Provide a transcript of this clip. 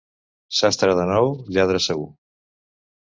Sastre de nou, lladre segur.